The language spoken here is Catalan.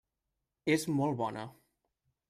És molt bona.